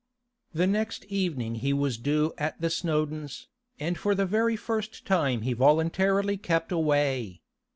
The next evening he was due at the Snowdons', and for the very first time he voluntarily kept away.